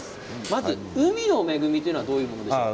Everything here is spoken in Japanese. まずは海の恵みというのはどういうものなんですか。